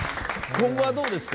今後はどうですか？